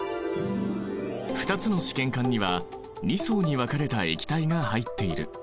２つの試験管には２層に分かれた液体が入っている。